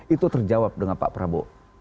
itu terjawab dengan pak prabowo